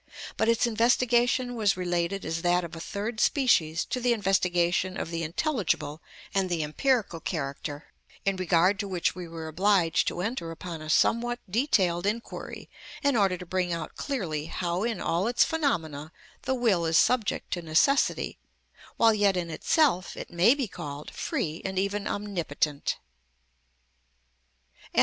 But its investigation was related as that of a third species to the investigation of the intelligible and the empirical character, in regard to which we were obliged to enter upon a somewhat detailed inquiry in order to bring out clearly how in all its phenomena the will is subject to necessity, while yet in itself it may be called free and even omnipotent.